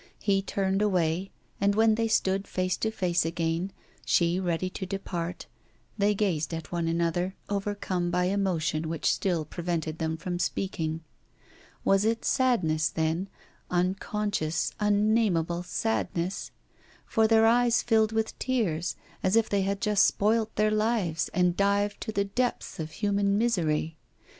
He turned away, and when they stood face to face again, she ready to depart, they gazed at one another, overcome by emotion which still prevented them from speaking. Was it sadness, then, unconscious, unnameable sadness? For their eyes filled with tears, as if they had just spoilt their lives and dived to the depths of human misery.